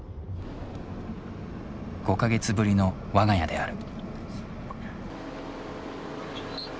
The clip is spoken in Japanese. ５か月ぶりの我が家である。